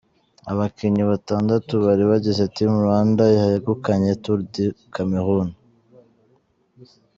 Abakinnyi batandatu bari bagize Team Rwanda yegukanye Tour du Cameroun.